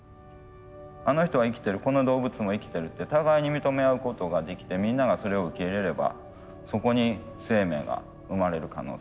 あの人は生きてるこの動物も生きてるって互いに認め合うことができてみんながそれを受け入れればそこに生命が生まれる可能性は十分にあるな。